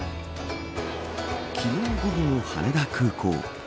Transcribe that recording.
昨日午後の羽田空港。